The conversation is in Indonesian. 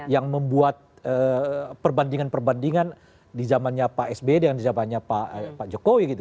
yang membuat perbandingan perbandingan di zamannya pak sbe dengan zamannya pak jokowi gitu